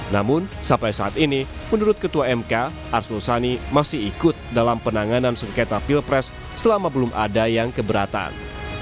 namun sampai saat ini menurut ketua mk arsul sani masih ikut dalam penanganan sengketa pilpres selama belum ada yang keberatan